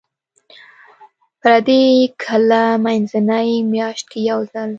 پردې کله مینځئ؟ میاشت کې یوځل